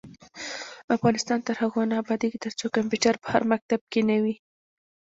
افغانستان تر هغو نه ابادیږي، ترڅو کمپیوټر په هر مکتب کې نه وي.